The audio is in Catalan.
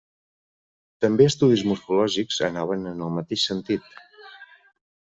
També estudis morfològics anaven en el mateix sentit.